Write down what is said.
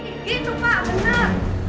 gitu pak bener